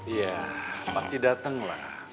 iya pasti datang lah